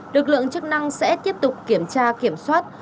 lực lượng chức năng sẽ tiếp tục kiểm tra kiểm soát